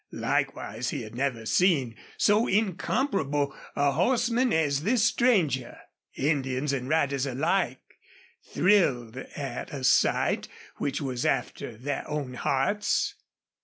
Likewise he had never seen so incomparable a horseman as this stranger. Indians and riders alike thrilled at a sight which was after their own hearts.